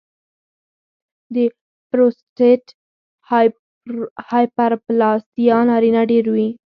د پروسټیټ هایپرپلاسیا نارینه ډېروي.